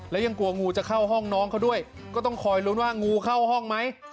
แล้วยังกลัวงูจะเข้าห้องน้องเขาด้วยก็ต้องคอยลุ้นว่างูเข้าห้องไหม